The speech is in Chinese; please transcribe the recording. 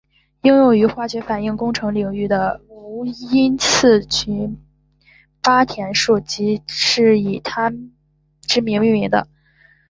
应用于化学反应工程领域的无因次群八田数即是以他之名命名的。